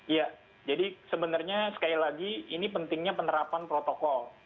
ya jadi sebenarnya sekali lagi ini pentingnya penerapan protokol